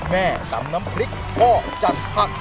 แม่ตำน้ำพริกพ่อจัดผัก